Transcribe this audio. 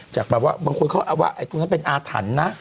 จากบางคนเขาเอาว่าตรงนั้นเป็นอาถรรณ์นะ